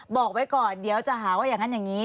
บอกไว้ก่อนเดี๋ยวจะหาว่าอย่างนั้นอย่างนี้